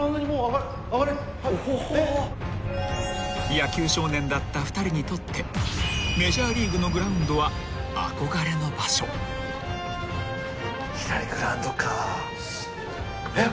［野球少年だった２人にとってメジャーリーグのグラウンドは憧れの場所］えっ？